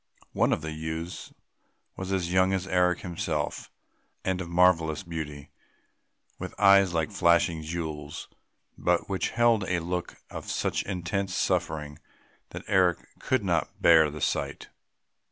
One of the youths was as young as Eric himself and of marvellous beauty, with eyes like flashing jewels, but which held a look of such intense suffering that Eric could not bear the sight.